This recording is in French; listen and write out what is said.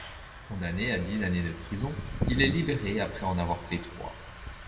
Condamné à dix années de prison, il est libéré après en avoir fait trois.